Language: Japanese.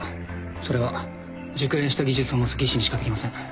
それは熟練した技術を持つ技師にしかできません